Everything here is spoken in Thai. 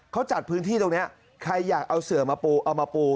เขาจัดพื้นที่ตรงนี้ใครอยากเอาเสือมาปูเอามาปู